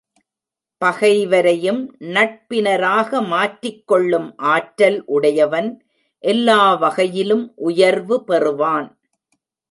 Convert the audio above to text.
பகைவரையும் நட்பினராக மாற்றிக்கொள்ளும் ஆற்றல் உடையவன் எல்லா வகையிலும் உயர்வு பெறுவான்.